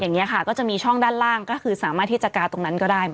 อย่างนี้ค่ะก็จะมีช่องด้านล่างก็คือสามารถที่จะกาตรงนั้นก็ได้